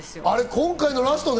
今回のラストね。